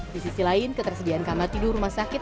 di sisi lain ketersediaan kamar tidur rumah sakit